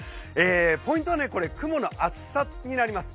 ポイントは雲の厚さになります。